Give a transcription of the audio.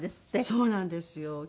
そうなんですよ。